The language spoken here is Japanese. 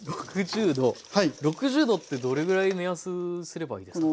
６０℃ってどれぐらい目安にすればいいですか？